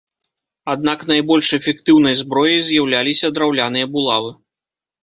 Аднак найбольш эфектыўнай зброяй з'яўляліся драўляныя булавы.